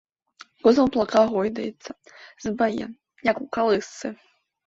Кузаў плаўка гойдаецца, зыбае, як у калысцы.